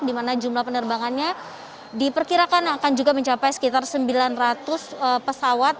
di mana jumlah penerbangannya diperkirakan akan juga mencapai sekitar sembilan ratus pesawat